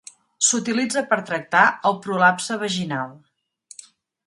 S'utilitza per tractar el prolapse vaginal.